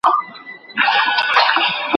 د "افغان ماډل" په نوم.